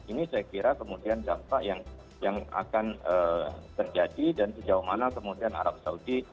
ini saya kira kemudian dampak yang akan terjadi dan sejauh mana kemudian arab saudi